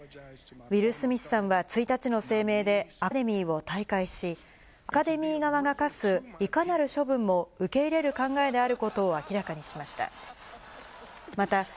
ウィル・スミスさんは１日の声明でアカデミーを退会し、アカデミー側が科すいかなる処分も受け入れる考えであることを明らかにしました。